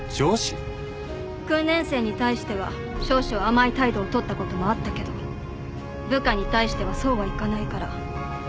訓練生に対しては少々甘い態度を取ったこともあったけど部下に対してはそうはいかないから。